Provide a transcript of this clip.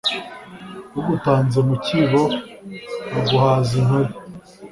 Ugutanze mu kibo aguhaza intore